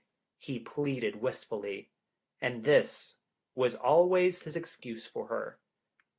he pleaded wistfully, and this was always his excuse for her.